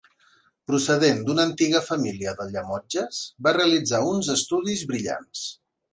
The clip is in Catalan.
Procedent d'una antiga família de Llemotges, va realitzar uns estudis brillants.